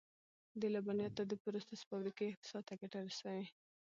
د لبنیاتو د پروسس فابریکې اقتصاد ته ګټه رسوي.